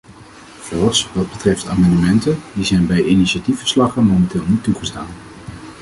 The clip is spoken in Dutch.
Voorts, wat betreft amendementen, die zijn bij initiatiefverslagen momenteel niet toegestaan.